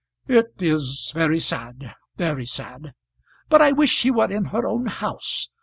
"It is very sad; very sad. But I wish she were in her own house.